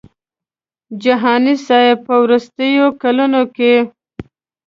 جهاني صاحب په وروستیو کلونو کې.